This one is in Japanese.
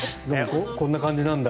こんな感じなんだ。